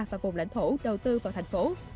và vùng lãnh thổ đầu tư vào thành phố